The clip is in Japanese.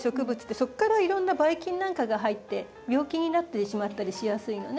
そこからいろんなバイ菌なんかが入って病気になってしまったりしやすいのね。